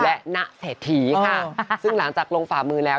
และณเศรษฐีค่ะซึ่งหลังจากลงฝ่ามือแล้ว